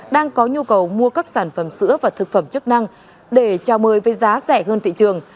đang có nhu cầu mua các sản phẩm sữa và thực phẩm chức năng để trao mời với giá rẻ hơn thị trường